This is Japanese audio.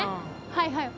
はいはい。